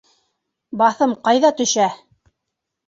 Баҫым ҡайҙа төшә?